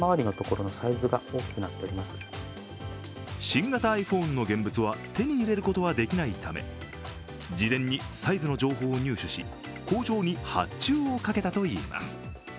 新型ｉＰｈｏｎｅの現物は手に入れることができないため事前にサイズの情報を入手し工場に発注をかけたといいます。